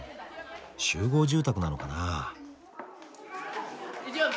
集合住宅なのかな。